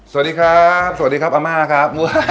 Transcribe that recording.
สวัสดีครับสวัสดีครับอาม่าครับ